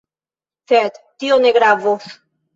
Sed tio ne gravos.